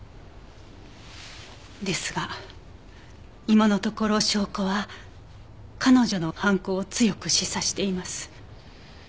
ですが今のところ証拠は彼女の犯行を強く示唆しています。